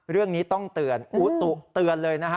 เรื่องนี้ต้องเตือนอุตุเตือนเลยนะฮะ